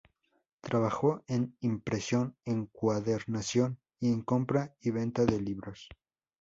Trabajó en impresión, encuadernación y en compra y venta de libros.